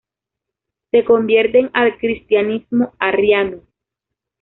Se convierten al cristianismo arriano.